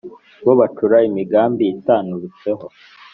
Bo bacura imigambi itanturutseho,